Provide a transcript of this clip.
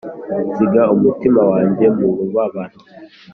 nsiga umutima wanjye mubabaro